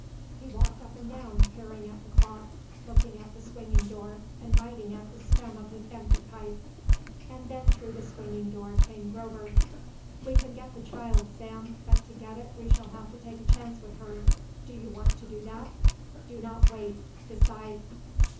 He walked up and down peering at the clock, looking at the swinging door and biting at the stem of his empty pipe. And then through the swinging door came Grover. "We can get the child, Sam, but to get it we shall have to take a chance with her. Do you want to do that? Do not wait. Decide."